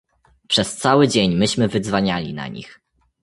Przez cały dzień myśmy wydzwaniali na nich.